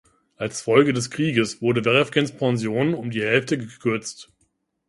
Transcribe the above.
Als Folge des Krieges wurde Werefkins Pension um die Hälfte gekürzt.